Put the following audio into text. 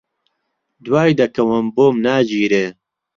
دوای دەکەوم، بۆم ناگیرێ